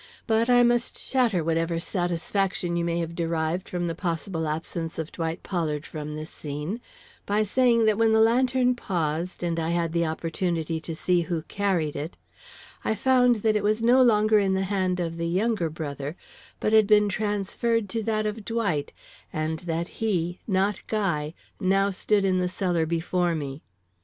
But I must shatter whatever satisfaction you may have derived from the possible absence of Dwight Pollard from this scene, by saying that when the lantern paused and I had the opportunity to see who carried it, I found that it was no longer in the hand of the younger brother, but had been transferred to that of Dwight, and that he, not Guy, now stood in the cellar before me.